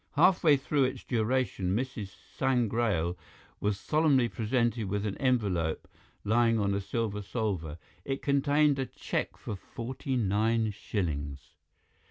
Halfway through its duration Mrs. Sangrail was solemnly presented with an envelope lying on a silver salver. It contained a cheque for forty nine shillings.